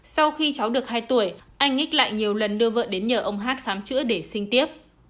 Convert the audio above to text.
sau khi cháu được hai tuổi anh nhích lại nhiều lần đưa vợ đến nhờ ông hát khám chữa để sinh tiếp